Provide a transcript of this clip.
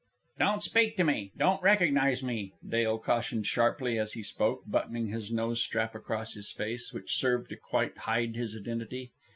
"Don't speak to me. Don't recognize me," Del cautioned sharply, as he spoke, buttoning his nose strap across his face, which served to quite hide his identity.